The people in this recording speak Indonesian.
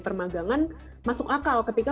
permagangan masuk akal ketika